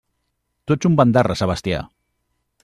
Tu ets un bandarra, Sebastià!